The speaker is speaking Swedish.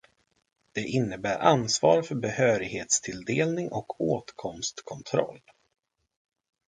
Det innebär ansvar för behörighetstilldelning och åtkomstkontroll.